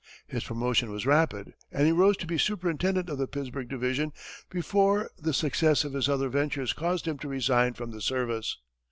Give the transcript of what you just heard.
His promotion was rapid, and he rose to be superintendent of the Pittsburgh division before the success of his other ventures caused him to resign from the service.